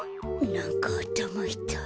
なんかあたまいたい。